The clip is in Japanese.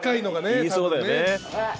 言いそうだよね。